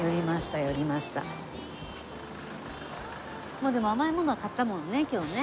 まあでも甘いものは買ったもんね今日ね。